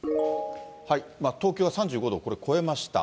東京は３５度、これ、超えました。